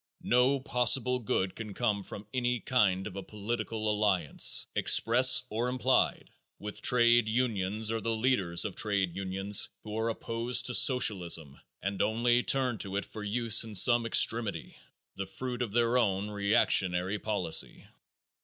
No possible good can come from any kind of a political alliance, express or implied, with trade unions or the leaders of trade unions who are opposed to socialism and only turn to it for use in some extremity, the fruit of their own reactionary policy.